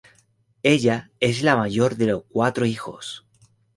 Ella es la mayor de cuatro hijos.